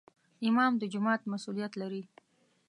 امام د جومات مسؤولیت لري